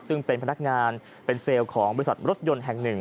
ซึ่งเป็นพนักงานเป็นเซลล์ของบริษัทรถยนต์แห่งหนึ่ง